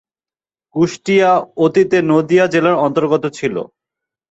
কুষ্টিয়া অতীতে নদীয়া জেলার অন্তর্গত ছিলো।